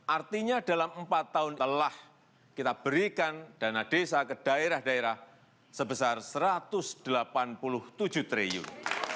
artinya dalam empat tahun telah kita berikan dana desa ke daerah daerah sebesar rp satu ratus delapan puluh tujuh triliun